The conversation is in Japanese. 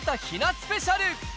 スペシャル。